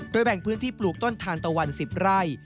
แบ่งพื้นที่ปลูกต้นทานตะวัน๑๐ไร่